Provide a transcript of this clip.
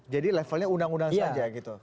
jadi levelnya undang undang saja gitu